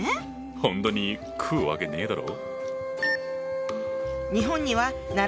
ほんとに食うわけねえだろ。